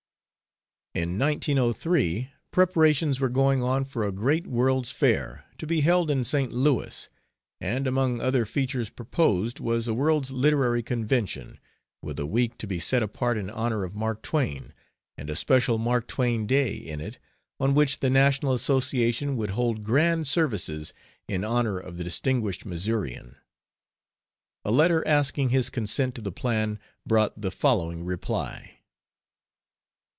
In 1903, preparations were going on for a great world's fair, to be held in St. Louis, and among other features proposed was a World's Literary Convention, with a week to be set apart in honor of Mark Twain, and a special Mark Twain Day in it, on which the National Association would hold grand services in honor of the distinguished Missourian. A letter asking his consent to the plan brought the following reply.